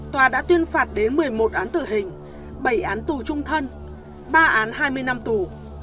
tòa đã tuyên phạt đến một mươi một án tử hình bảy án tù trung thân ba án hai mươi năm tù